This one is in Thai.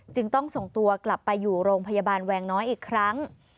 จึงต้องส่งตัวกลับไปอยู่โรงพยาบาลแวงน้อยอีกครั้ง